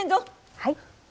はい。